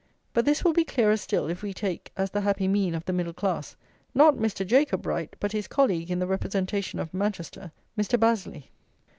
But this will be clearer still if we take, as the happy mean of the middle class, not Mr. Jacob Bright, but his colleague in the representation of Manchester, Mr. Bazley.